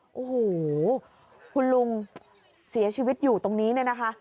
โอ้โหคุณลุงเสียชีวิตอยู่ตรงนี้เนี่ยนะคะ